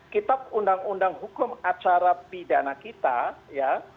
kitab undang undang hukum acara pidana kita ya